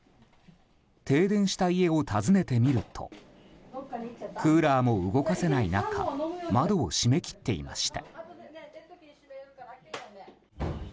停電した家を訪ねてみるとクーラーも動かせない中窓を閉め切っていました。